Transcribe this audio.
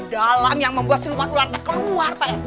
dalam yang membuat siluman ular saya keluar pak rt